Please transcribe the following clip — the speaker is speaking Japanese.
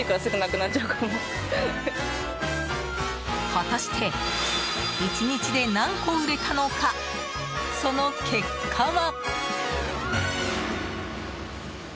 果たして１日で何個売れたのかその結果は。